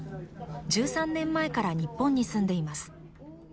１３年前から日本に住んでいます。